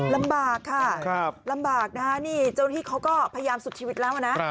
ลำบากค่ะลำบากนะคะนี่เจ้าหน้าที่เขาก็พยายามสุดชีวิตแล้วนะ